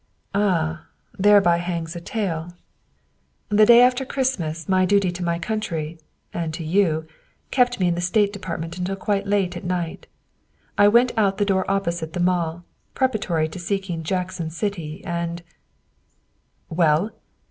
"Ah, thereby hangs a tale. The day after Christmas 220 THE WIFE OF my duty to my country and to you kept me in the State Department until quite late at night. I went out the door opposite the Mall, preparatory to seeking Jack son City, and " "Well?"